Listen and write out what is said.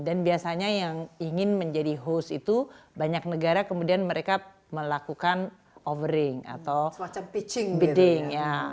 dan biasanya yang ingin menjadi host itu banyak negara kemudian mereka melakukan overing atau bidding